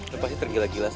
lo pasti tergila gila sih ya